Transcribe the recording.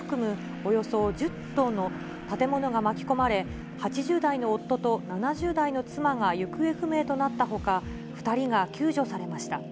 およそ１０棟の建物が巻き込まれ、８０代の夫と７０代の妻が行方不明となったほか、２人が救助されました。